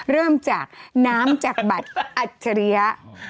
เริ่มจากน้ำจากบัตรอัจฉริยะ